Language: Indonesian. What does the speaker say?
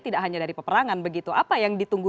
tidak hanya dari peperangan begitu apa yang ditunggu